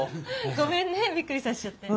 ごめんねびっくりさせちゃって。